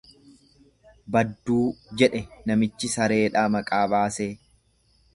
Badduu jedhe namichi sareedhaa maqaa baasee.